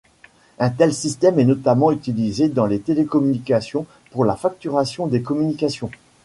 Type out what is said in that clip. Un tel système est notamment utilisé dans les télécommunications, pour la facturation des communications.